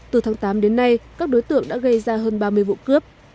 từ tháng tám đến nay các đối tượng đã gây ra hơn ba mươi vụ cướp